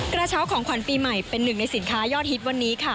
กระเช้าของขวัญปีใหม่เป็นหนึ่งในสินค้ายอดฮิตวันนี้ค่ะ